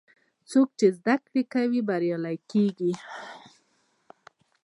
څوک چې زده کړه کوي، بریالی کېږي.